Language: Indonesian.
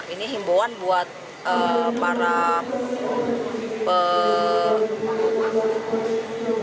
ini imbuan buat para pelanggan